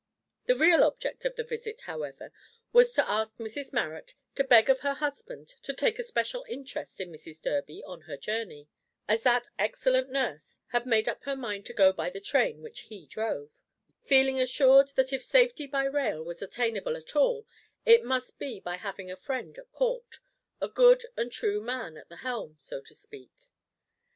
The real object of the visit however, was to ask Mrs Marrot to beg of her husband to take a special interest in Mrs Durby on her journey, as that excellent nurse had made up her mind to go by the train which he drove, feeling assured that if safety by rail was attainable at all, it must be by having a friend at court a good and true man at the helm, so to speak.